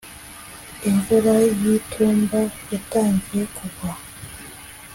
imvura y'itumba yatangiye kugwa,